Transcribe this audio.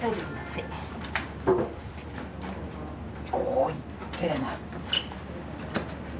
おお、いってぇな。